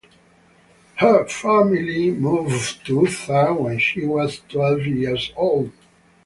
Her family moved to Utah when she was twelve years old.